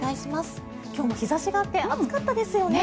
今日も日差しがあって暑かったですよね。